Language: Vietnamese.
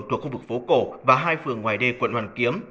thuộc khu vực phố cổ và hai phường ngoài đê quận hoàn kiếm